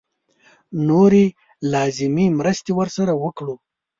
نورې لازمې مرستې ورسره وکړو.